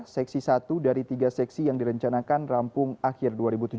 seksi satu dari tiga seksi yang direncanakan rampung akhir dua ribu tujuh belas